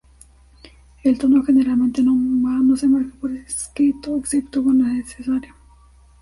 El tono generalmente no se marca por escrito excepto cuando es necesario.